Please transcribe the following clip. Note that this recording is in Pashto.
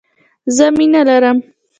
زه مینه لرم.